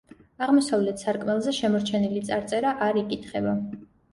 აღმოსავლეთ სარკმელზე შემორჩენილი წარწერა არ იკითხება.